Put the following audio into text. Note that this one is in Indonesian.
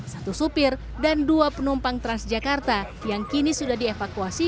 satu supir dan dua penumpang transjakarta yang kini sudah dievakuasi